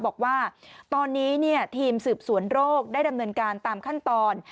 บอกว่าตอนนี้ทีมสืบสวนโรคได้ดำเนินการตามขั้นตอน